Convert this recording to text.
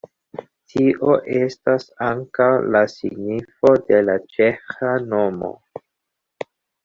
Tio estas ankaŭ la signifo de la ĉeĥa nomo.